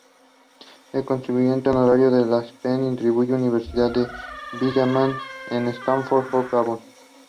He was awarded an order and medals.